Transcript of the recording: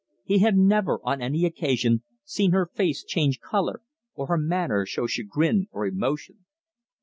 He had never on any occasion seen her face change colour, or her manner show chagrin or emotion.